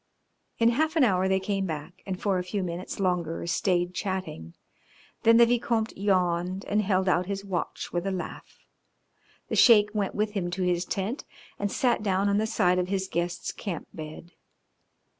In half an hour they came back, and for a few minutes longer stayed chatting, then the Vicomte yawned and held out his watch with a laugh. The Sheik went with him to his tent and sat down on the side of his guest's camp bed.